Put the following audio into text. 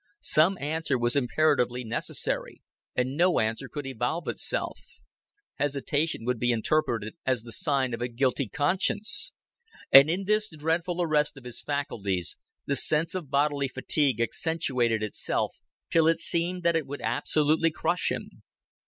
Some answer was imperatively necessary, and no answer could evolve itself. Hesitation would be interpreted as the sign of a guilty conscience. And in this dreadful arrest of his faculties, the sense of bodily fatigue accentuated itself till it seemed that it would absolutely crush him.